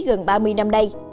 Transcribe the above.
gần ba mươi năm nay